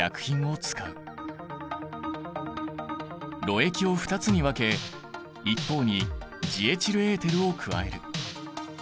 ろ液を２つに分け一方にジエチルエーテルを加える。